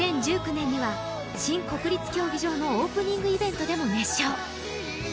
２０１９年には新国立競技場のオープニングイベントでも熱唱。